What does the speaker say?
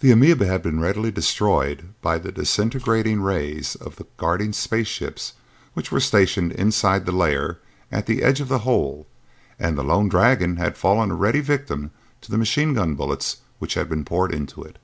The amoeba had been readily destroyed by the disintegrating rays of the guarding space ships which were stationed inside the layer at the edge of the hole and the lone dragon had fallen a ready victim to the machine gun bullets which had been poured into it.